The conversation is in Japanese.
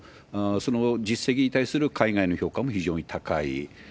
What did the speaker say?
その実績に対する海外の評価も非常に高い。